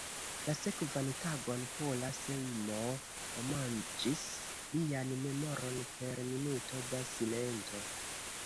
La sekvan tagon Pola Sejmo omaĝis lian memoron per minuto da silento.